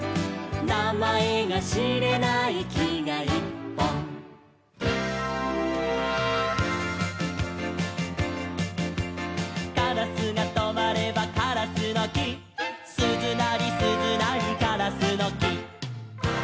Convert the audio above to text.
「なまえがしれないきがいっぽん」「カラスがとまればカラスのき」「すずなりすずなりカラスのき」